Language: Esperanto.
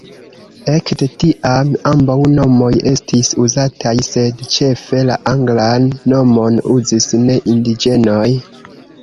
Ekde tiam ambaŭ nomoj estis uzataj, sed ĉefe la anglan nomon uzis ne-indiĝenoj.